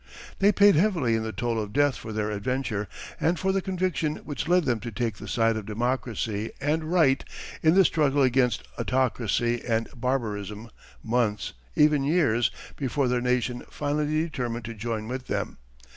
They paid heavily in the toll of death for their adventure and for the conviction which led them to take the side of democracy and right in the struggle against autocracy and barbarism months, even years, before their nation finally determined to join with them.